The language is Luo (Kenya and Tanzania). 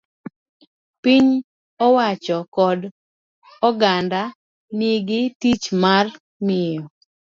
Piny owacho kod oganda nigi tich mar miyo